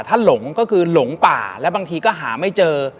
ถ้าหลงก็คือหลงป่าแล้วบางทีก็หาไม่เจอ